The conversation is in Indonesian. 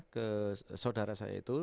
ke saudara saya itu